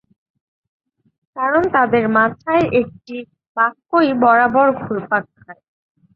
কারণ তাদের মাথায় একটি বাক্যই বারবার ঘুরপাক খায়।